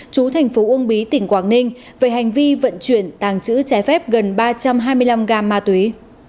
chú thành phố uông bí tỉnh quảng ninh về hành vi vận chuyển tàng trữ trái phép gần ba trăm hai mươi năm gam ma túy